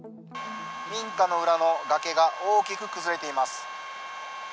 民家の裏の崖が大きく崩れています。